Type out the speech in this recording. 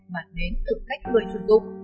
mà đến từ cách người sử dụng